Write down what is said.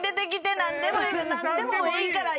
何でもいいから。